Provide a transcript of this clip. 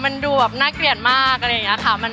มันดูแบบน่าเกลียดมากอะไรอย่างนี้ค่ะ